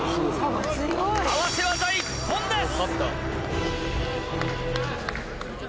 合わせ技一本です！